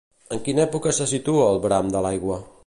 En quina època se situa El bram de l'aigua?